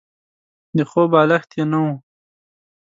د خوب بالښت يې نه وو.